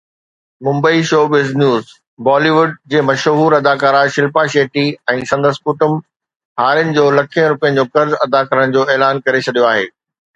Mumbai (showbiz news) Bollywood جي مشهور اداڪارا شلپا شيٽي ۽ سندس ڪٽنب هارين جو لکين روپين جو قرض ادا ڪرڻ جو اعلان ڪري ڇڏيو آهي.